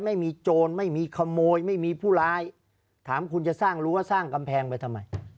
ไม่มีโจรไม่มีขโมยไม่มีผู้ร้ายถามคุณจะสร้างรั้วสร้างกำแพงไปทำไม